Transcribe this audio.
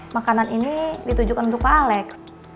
makanan ini ditujukan untuk pallex